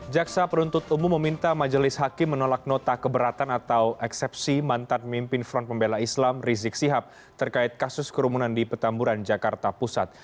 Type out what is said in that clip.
jaksa penuntut umum meminta majelis hakim menolak nota keberatan atau eksepsi mantan mimpin front pembela islam rizik sihab terkait kasus kerumunan di petamburan jakarta pusat